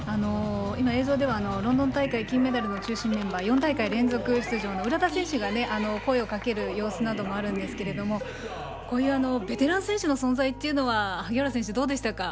映像ではロンドン大会の金メダル中心メンバー４大会連続出場の浦田選手が声をかける様子もありましたがベテラン選手の存在は萩原選手、どうでしたか。